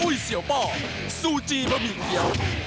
อุ้ยเสี่ยวป้อซูจีบะหมิ